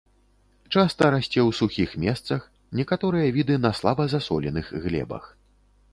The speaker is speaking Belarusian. Часта расце ў сухіх месцах, некаторыя віды на слаба засоленых глебах.